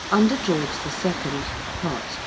UNDER GEORGE THE SECOND. PART II.